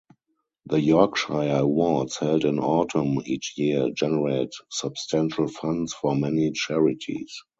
The Yorkshire Awards, held in Autumn each year, generate substantial funds for many charities.